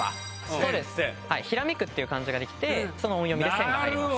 ひらめくって漢字ができてその音読みでセンが入ります。